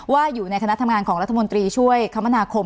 ว่าอยู่ในคณะทำงานของรัฐมนตรีช่วยคมนาคม